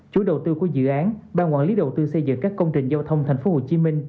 chú đầu tư của dự án ban quản lý đầu tư xây dựng các công trình giao thông tp hcm